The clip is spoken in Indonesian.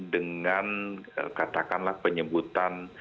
dengan katakanlah penyebutan